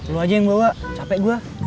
lu aja yang bawa capek gue